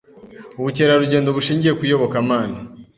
Ubukera rugendo bushingiye ku iyobokama